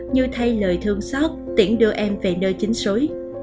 như thay lời thương sót tiễn đưa em về nơi chính xối